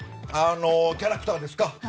「キャラクター」ですか。